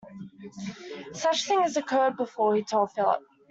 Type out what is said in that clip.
Such things had occurred before, he told Philip.